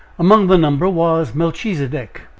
Among the number was Melchisedek.